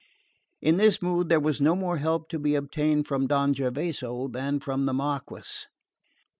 In this mood there was no more help to be obtained from Don Gervaso than from the Marquess.